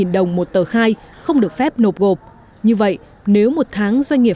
hai mươi đồng một tờ khai không được phép nộp gộp như vậy nếu một tháng doanh nghiệp